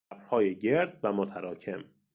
ابرهای گرد و متراکم